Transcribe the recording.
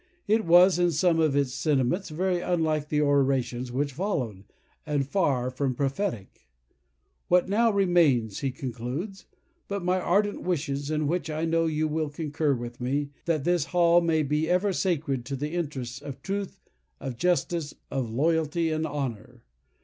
It was, in some of its sentiments, very unlike the orations which followed, and far from prophetic. "What now remains," he concludes, "but my ardent wishes (in which I know you will all concur with me) that this hall may be ever sacred to the interests of truth, of justice, of loyalty, and honour.